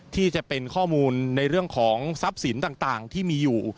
ที่จะเป็นข้อมูลในเรื่องของทรัพย์สินต่างที่มีอยู่